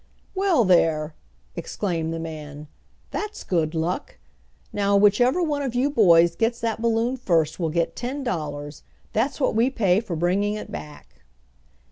"Well, there!" exclaimed the man. "That's good luck. Now, whichever one of you boys gets that balloon first will get ten dollars. That's what we pay for bringing it back!"